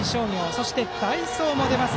そして代走も出ます。